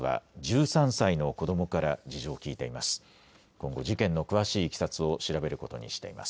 今後事件の詳しいいきさつを調べることにしています。